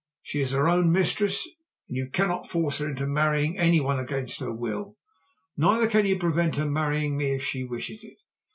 She is her own mistress, and you cannot force her into marrying any one against her will. Neither can you prevent her marrying me if she wishes it.